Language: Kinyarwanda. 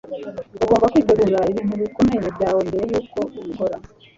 Ugomba kwitega ibintu bikomeye byawe mbere yuko ubikora.”